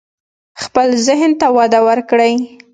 خپل ذهن ته وده ورکړئ.